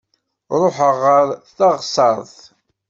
Ruḥaɣ ɣer teɣsert.